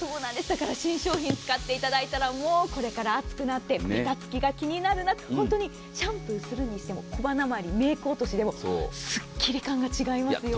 だから新商品を使っていただいたらこれから暑くなってべたつきが気になるな本当にシャンプーするにしても小鼻回り、メイク落としでもすっきり感が違いますよ。